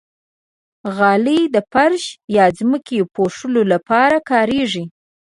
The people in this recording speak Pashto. غالۍ د فرش یا ځمکې پوښلو لپاره کارېږي.